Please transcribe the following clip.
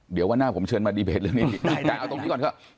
เดี๋ยววันหน้าผมเชิญมาดีเบตเรื่องนี้แต่เอาตรงนี้ก่อนเถอะ